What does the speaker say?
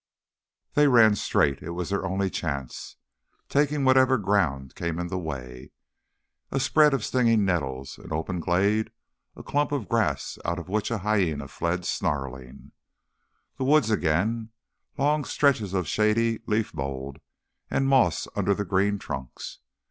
They ran straight it was their only chance taking whatever ground came in the way a spread of stinging nettles, an open glade, a clump of grass out of which a hyæna fled snarling. Then woods again, long stretches of shady leaf mould and moss under the green trunks.